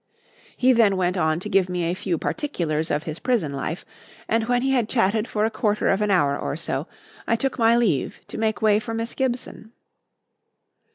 He then went on to give me a few particulars of his prison life, and when he had chatted for a quarter of an hour or so, I took my leave to make way for Miss Gibson.